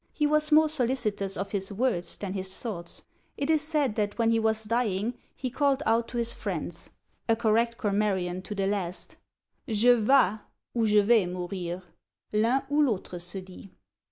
He was more solicitous of his words than his thoughts. It is said, that when he was dying, he called out to his friends (a correct grammarian to the last), "Je VAS ou je VAIS mourir; l'un ou l'autre se dit!"